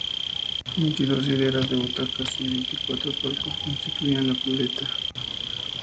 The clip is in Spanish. Veintidós hileras de butacas y veinticuatro palcos constituían la platea.